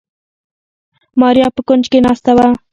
ماريا په کونج کې ناسته وه.